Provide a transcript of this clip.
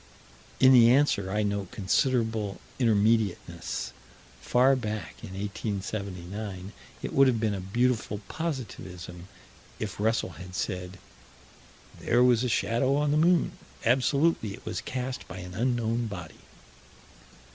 In the answer, I note considerable intermediateness. Far back in 1879, it would have been a beautiful positivism, if Russell had said "There was a shadow on the moon. Absolutely it was cast by an unknown body."